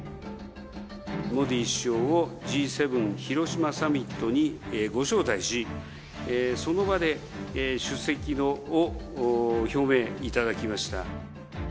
モディ首相をＧ７広島サミットにご招待し、その場で出席を表明いただきました。